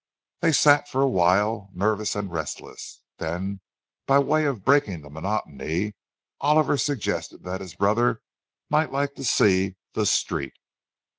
They sat for a while, nervous and restless. Then, by way of breaking the monotony, Oliver suggested that his brother might like to see the "Street."